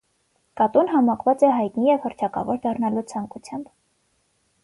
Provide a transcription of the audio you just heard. Կատուն համակված է հայտնի ու հռչակավոր դառնալու ցանկությամբ։